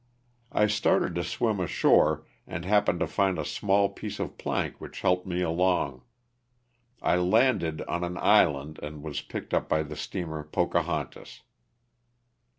I started to swim ashore and happened to find a small piece of plank which helped me along. I landed on an island and was picked up by the steamer "Pocahontas."